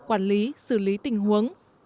quản lý xử lý tình huống